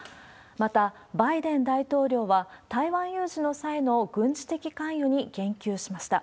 また、バイデン大統領は、台湾有事の際の軍事的関与に言及しました。